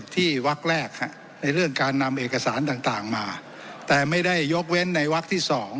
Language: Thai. แต่ไม่ได้ยกเว้นในหวักที่๒